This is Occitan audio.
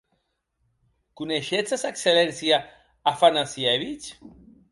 Coneishetz a sa excelléncia Afanassievitch?